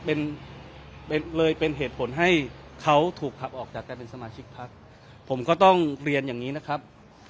เป็นเลยเป็นเหตุผลให้เขาถูกขับออกจากการเป็นสมาชิกพักผมก็ต้องเรียนอย่างนี้นะครับ